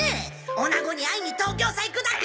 オナゴに会いに東京さ行くだか！